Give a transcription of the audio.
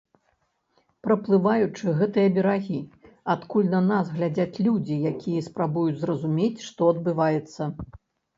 Праплываючы гэтыя берагі, адкуль на нас глядзяць людзі, якія спрабуюць зразумець, што адбываецца!